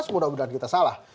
mudah mudahan kita salah